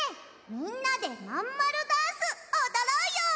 みんなでまんまるダンスおどろうよ！